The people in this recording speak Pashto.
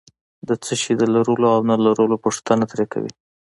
د څه شي د لرلو او نه لرلو پوښتنه ترې کوي.